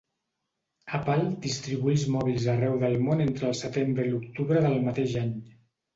Apple distribuí els mòbils arreu del món entre el setembre i l'octubre del mateix any.